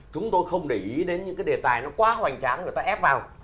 chúng tôi không để ý đến những cái đề tài nó quá hoành tráng người ta ép vào